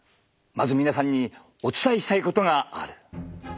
まず皆さんにお伝えしたいことがある。